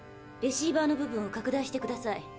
レシーバーの部分を拡大してください。